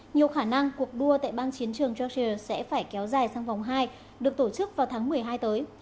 nhiều khả năng cuộc đua tại bang chiến trường georgia sẽ phải kéo dài sang vòng hai được tổ chức vào tháng một mươi hai tới